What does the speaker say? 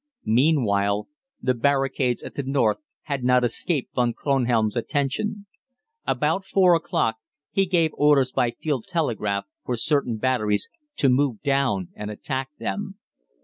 Meanwhile the barricades at the north had not escaped Von Kronhelm's attention. About four o'clock he gave orders by field telegraph for certain batteries to move down and attack them.